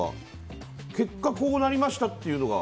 結果こうなりましたっていうのが。